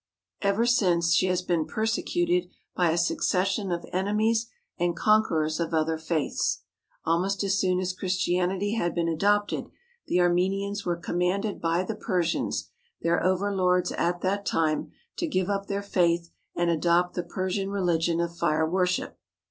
Ever since she has been persecuted by a succession of enemies and conquerors of other faiths. Almost as soon as Christianity had been adopted, the Armenians were commanded by the Persians, their overlords at that time, to give up their faith and adopt the Persian religion of fire worship.